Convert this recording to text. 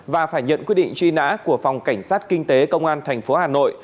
và phải nhận quyết định truy nã của phòng cảnh sát kinh tế công an tp hà nội